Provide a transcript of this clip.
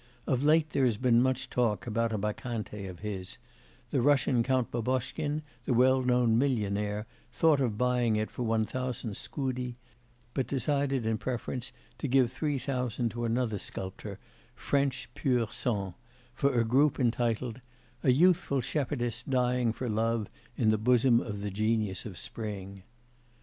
Of late, there has been much talk about a Bacchante of his; the Russian Count Boboshkin, the well known millionaire, thought of buying it for one thousand scudi, but decided in preference to give three thousand to another sculptor, French pur sang, for a group entitled, 'A youthful shepherdess dying for love in the bosom of the Genius of Spring.